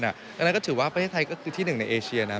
อันนั้นก็ถือว่าประเทศไทยก็คือที่หนึ่งในเอเชียนะ